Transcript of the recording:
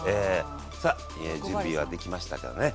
さっ準備はできましたかね？